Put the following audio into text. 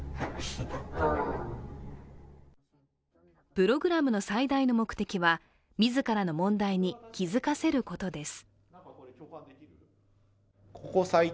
プログラムの最大の目的は自らの問題に気付かせることです。